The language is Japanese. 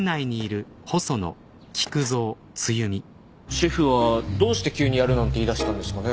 シェフはどうして急にやるなんて言いだしたんですかね。